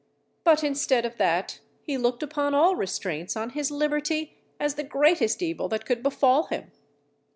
But instead of that he looked upon all restraints on his liberty as the greatest evil that could befall him.